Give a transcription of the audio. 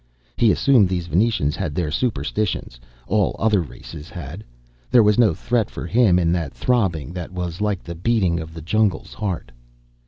He assumed these Venusians had their superstitions, all other races had. There was no threat, for him, in that throbbing that was like the beating of the jungle's heart.